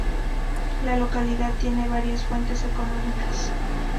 La localidad tiene variadas fuentes económicas.